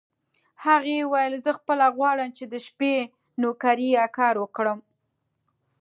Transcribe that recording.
هغې وویل: زه خپله غواړم چې د شپې نوکري یا کار وکړم.